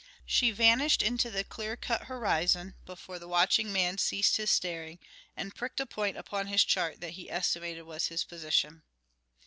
She vanished into the clear cut horizon before the watching man ceased his staring and pricked a point upon his chart that he estimated was his position.